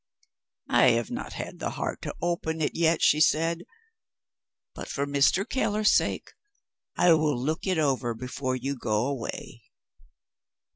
'I have not had the heart to open it yet,' she said; 'but for Mr. Keller's sake, I will look it over before you go away.'